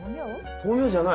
豆苗じゃない？